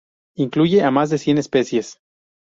Incluye a más de cien especies.